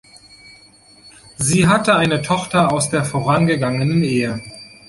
Sie hatte eine Tochter aus einer vorangegangenen Ehe.